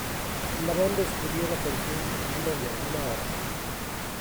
La banda escribió la canción en menos de una hora.